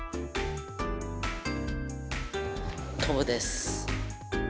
「跳ぶ」です。